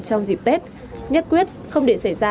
trong dịp tết nhất quyết không để xảy ra